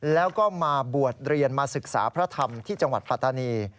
แล้วก็มาบวชเรียนมาศึกษาพระธรรมที่จังหวัดปัตตานี